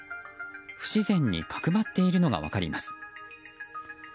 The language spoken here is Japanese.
不自然に角張っているのが分かります。